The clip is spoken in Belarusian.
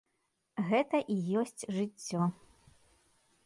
Гэта і ёсць жыццё.